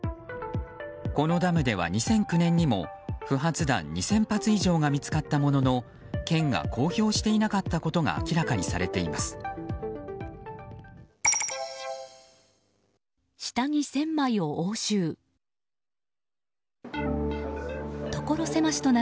このダムでは２００９年にも不発弾２０００発以上が見つかったものの県が公表していなかったことが明らかにされています。